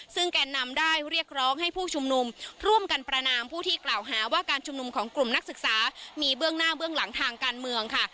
ซึ่งแก่นำได้เรียกร้องให้ผู้ชุมนุมร่วมกันประนามผู้ที่กล่าวหาว่าการชุมนุมของกลุ่มนักศึกษามีเบื้องหน้าเบื้องหลังทางการเมืองค่ะ